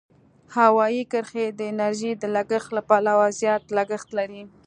هوایي کرښې د انرژۍ د لګښت له پلوه زیات لګښت لري.